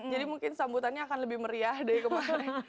jadi mungkin sambutannya akan lebih meriah dari kemarin